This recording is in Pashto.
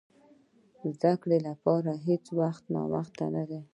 د زده کړې لپاره هېڅ وخت ناوخته نه دی.